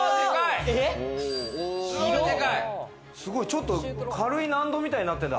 ちょっと軽い納戸みたいになってるんだ。